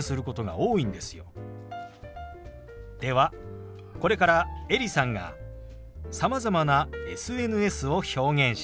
ではこれからエリさんがさまざまなＳＮＳを表現します。